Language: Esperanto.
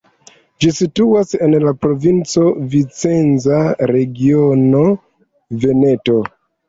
Ĝi situas en la provinco Vicenza, regiono Veneto.